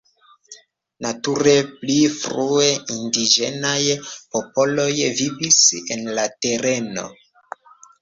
Nature pli frue indiĝenaj popoloj vivis en la tereno.